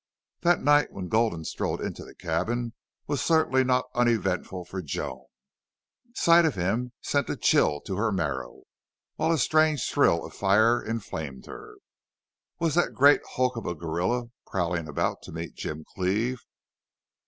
That night when Gulden strode into the cabin was certainly not uneventful for Joan. Sight of him sent a chill to her marrow while a strange thrill of fire inflamed her. Was that great hulk of a gorilla prowling about to meet Jim Cleve?